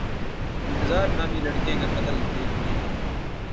انتظار نامی لڑکے کا قتل دیکھ لیجیے۔